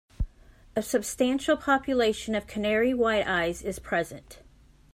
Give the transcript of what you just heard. A substantial population of canary white-eyes is present.